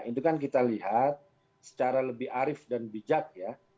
itu kan kita lihat secara lebih arif dan bijak ya